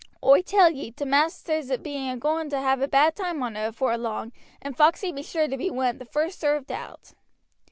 Oi tell ye, t' maisters be agoing to have a bad time on it afore long, and Foxey be sure to be one of the first served out."